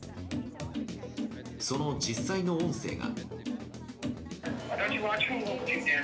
その実際の音声が。